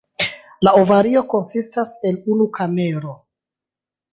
La ovario konsistas el unu kamero.